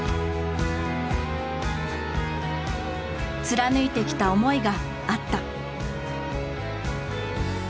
貫いてきた思いがあった。